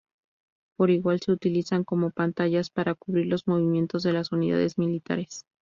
Por igual se utilizan como pantallas para cubrir los movimientos de las unidades militares.